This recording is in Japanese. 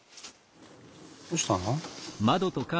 どうしたの？